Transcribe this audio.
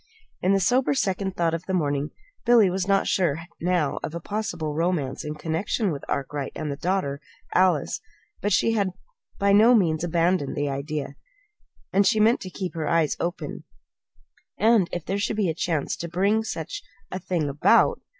In the sober second thought of the morning, Billy was not sure now of a possible romance in connection with Arkwright and the daughter, Alice; but she had by no means abandoned the idea, and she meant to keep her eyes open and if there should be a chance to bring such a thing about